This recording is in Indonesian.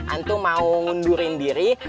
antum mau ngundurin diri